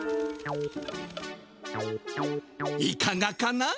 いかがかな？